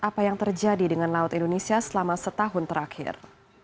apa yang terjadi dengan laut indonesia selama setahun terakhir